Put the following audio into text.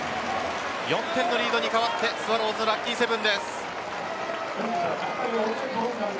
４点のリードに変わってスワローズ、ラッキーセブンです。